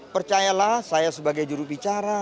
percayalah saya sebagai juru bicara